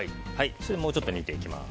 もうちょっと煮ていきます。